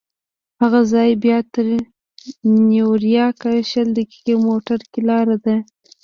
له هغه ځایه بیا تر نیویارکه شل دقیقې موټر کې لاره ده.